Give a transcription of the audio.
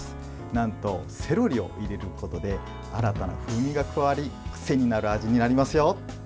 なんと、セロリを入れることで新たな風味が加わり癖になる味になりますよ。